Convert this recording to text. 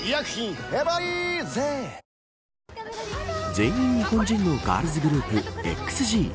全員日本人のガールズグループＸＧ。